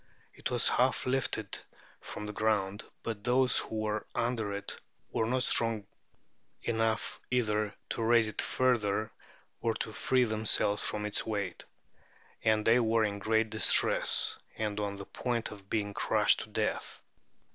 It was half lifted from the ground; but those who were under it were not strong enough either to raise it further or to free themselves from its weight. And they were in great distress, and on the point of being crushed to death.